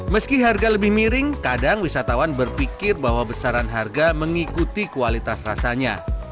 meski harga lebih miring kadang wisatawan berpikir bahwa besaran harga mengikuti kualitas rasanya